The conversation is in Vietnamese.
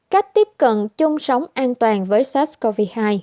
cách tiếp cận chung sống an toàn với sars cov hai